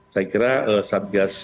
saya ingin mengucapkan terima kasih